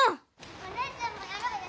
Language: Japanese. お姉ちゃんもやろうよ！